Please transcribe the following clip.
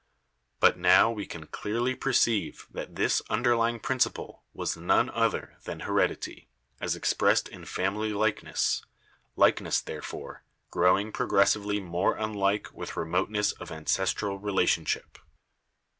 But now we can clearly perceive that this underlying principle was none other than Heredity as expressed in family likeness — likeness, there fore, growing progressively more unlike with remoteness of ancestral relationship.